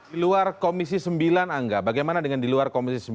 di luar komisi sembilan angga bagaimana dengan di luar komisi sembilan